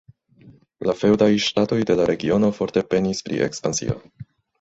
La feŭdaj ŝtatoj de la regiono forte penis pri ekspansio.